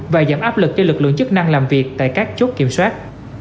và giảm áp lực cho lực lượng chức năng làm việc tại các chốt kiểm soát